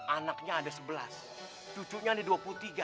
anaknya ada sebelas cucunya ada dua puluh tiga